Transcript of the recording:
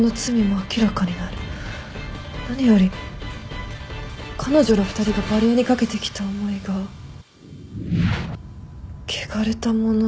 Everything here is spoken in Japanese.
何より彼女ら２人がバレエに懸けてきた思いが汚れたものになる。